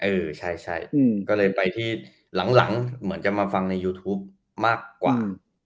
เออใช่ก็เลยไปที่หลังเหมือนจะมาฟังในยูทูปมากกว่า